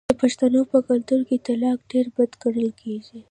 د پښتنو په کلتور کې طلاق ډیر بد ګڼل کیږي.